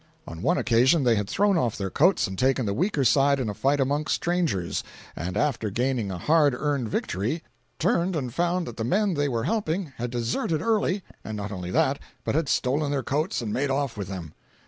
On one occasion, they had thrown off their coats and taken the weaker side in a fight among strangers, and after gaining a hard earned victory, turned and found that the men they were helping had deserted early, and not only that, but had stolen their coats and made off with them!